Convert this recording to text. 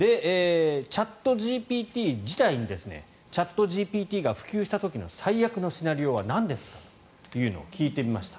チャットＧＰＴ自体にチャットＧＰＴが普及した時の最悪なシナリオはなんですかというのを聞いてみました。